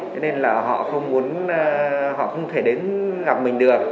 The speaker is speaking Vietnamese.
cho nên là họ không muốn họ không thể đến gặp mình được